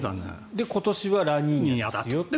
今年はラニーニャですよと。